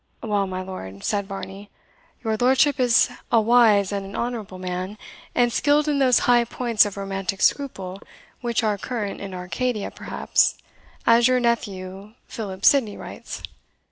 "Well, my lord," said Varney, "your lordship is a wise and an honourable man, and skilled in those high points of romantic scruple which are current in Arcadia perhaps, as your nephew, Philip Sidney, writes.